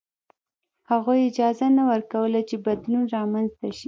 هغوی اجازه نه ورکوله چې بدلون رامنځته شي.